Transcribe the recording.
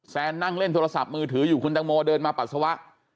นั่งเล่นโทรศัพท์มือถืออยู่คุณตังโมเดินมาปัสสาวะ